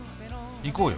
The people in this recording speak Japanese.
行こうよ。